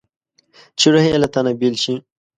چې روح یې له تنه بېل شي.